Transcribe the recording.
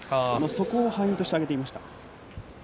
そこを敗因として挙げていました。